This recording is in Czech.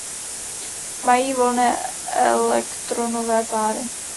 Mají volné elektronové páry.